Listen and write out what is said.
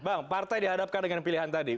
bang partai dihadapkan dengan pilihan tadi